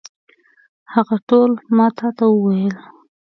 هغه ټول ما تا ته وویل.